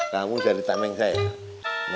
kamu jadi tameng saya